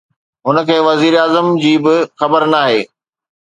هن کي وزير اعظم جي به خبر ناهي